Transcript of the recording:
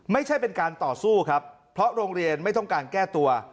ไม่ใช่เป็นการต่อสู้ครับเพราะโรงเรียนไม่ต้องการแก้ตัว